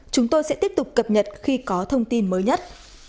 chúng tôi sẽ tiếp tục cập nhật khi có thông tin mới nhất